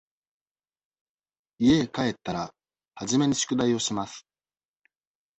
家へ帰ったら、初めに宿題をします。